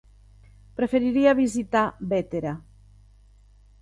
Preferiria visitar Bétera.